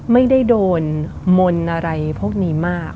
ไม่ได้โดนมนต์อะไรพวกนี้มาก